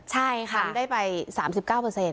ใช่ค่ะคำได้ไปสามสิบเก้าเปอร์เซ็นต์